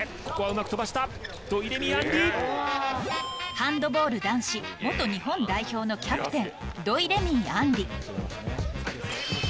ハンドボール男子日本代表のキャプテン土井レミイ